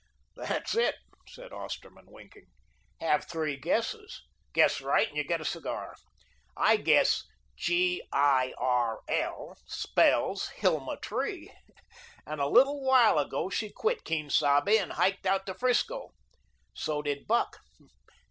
"That's it," said Osterman, winking. "Have three guesses. Guess right and you get a cigar. I guess g i r l spells Hilma Tree. And a little while ago she quit Quien Sabe and hiked out to 'Frisco. So did Buck.